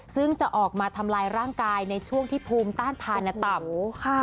ซึ่งจะออกมาทำลายร่างกายในช่วงที่ภูมิต้านทานต่ำ